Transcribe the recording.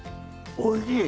おいしい？